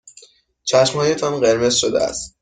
چشمهایتان قرمز شده است.